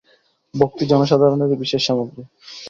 ভক্তি জনসাধারণেরই বিশেষ সামগ্রী।